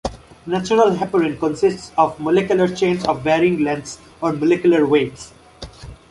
Natural heparin consists of molecular chains of varying lengths, or molecular weights.